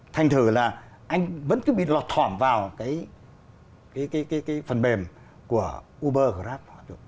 thành thử là anh vẫn cứ bị lọt thỏm vào cái phần mềm của uber grab